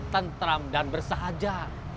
tentram dan bersahaja